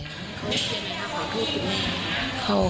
เขาขอโทษอยู่ไหม